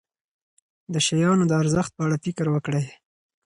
د شیانو د ارزښت په اړه فکر وکړئ.